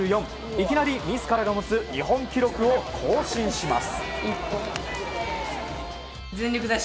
いきなり自らが持つ日本記録を更新します。